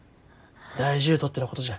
大事ゅうとってのことじゃ。